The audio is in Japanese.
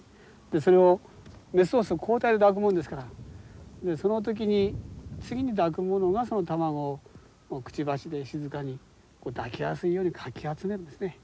それをメスオス交代で抱くもんですからその時に次に抱く者がその卵をくちばしで静かに抱きやすいようにかき集めるんですね。